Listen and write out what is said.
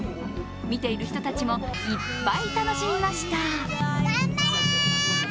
見ている人たちもいっぱい楽しみました。